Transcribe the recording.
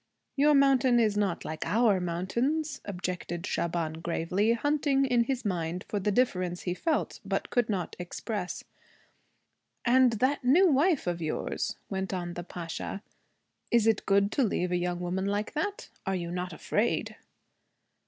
'Your mountain is not like our mountains,' objected Shaban gravely, hunting in his mind for the difference he felt but could not express. 'And that new wife of yours,' went on the Pasha. 'Is it good to leave a young woman like that? Are you not afraid?'